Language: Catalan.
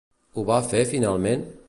Ho va fer finalment?